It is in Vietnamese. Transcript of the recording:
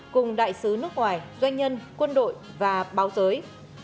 cùng đại sứ nước ngoài doanh nhân quân đội và báo giới